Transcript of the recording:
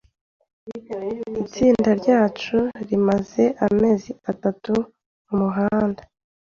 Itsinda ryacu rimaze amezi atatu mumuhanda.